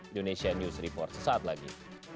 indonesia news report sesaat lagi